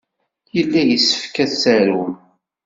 Yella yessefk ad t-tarum.